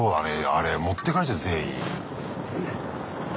あれ持ってかれちゃう全員。